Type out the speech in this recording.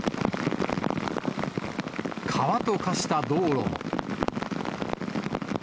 川と化した道路も。